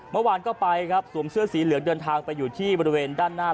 เมื่อวานก็ไปครับสวมเสื้อสีเหลืองเดินทางไปอยู่ที่บริเวณด้านหน้า